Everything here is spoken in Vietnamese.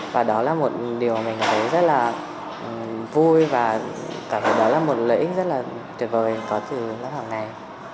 và đó là một điều mình thấy rất là vui và cảm thấy đó là một lợi ích rất là tuyệt vời có từ lớp học này